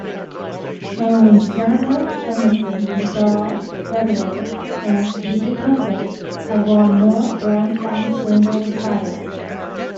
Only Sampras, Emerson, Nadal, Federer and Djokovic have won more Grand Slam singles titles.